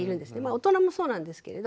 大人もそうなんですけれど。